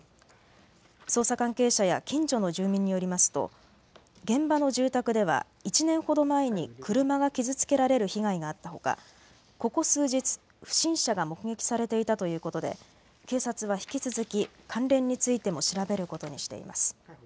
捜査関係者や近所の住民によりますと現場の住宅では１年ほど前に車が傷つけられる被害があったほかここ数日、不審者が目撃されていたということで警察は引き続き関連についても調べることにしています。